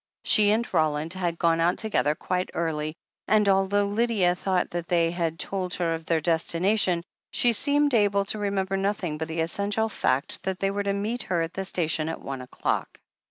She and Roland had gone out together quite early, and although Lydia thought that they had told her of their destination, she seemed able to remember nothing but the essential fact that they were to meet her at the station at one o'clock.